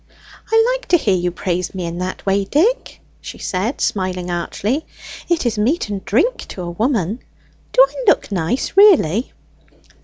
"I like to hear you praise me in that way, Dick," she said, smiling archly. "It is meat and drink to a woman. Do I look nice really?"